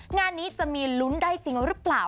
งานนี้จะมีลุ้นได้จริงหรือเปล่า